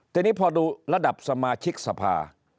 ทีนี้พอดูระดับสมาชิกสภา